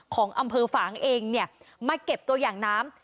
ของอำเภอฝางเองเนี่ยมาเก็บตัวอย่างน้ำ